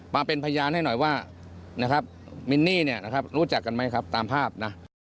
มาเป็นพยานให้หน่อยว่านะครับมินนี่เนี่ยนะครับรู้จักกันไหมครับตามภาพนะ